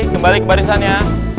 kembali ke barisannya